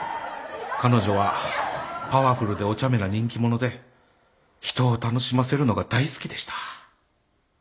彼女はパワフルでおちゃめな人気者で人を楽しませるのが大好きでした。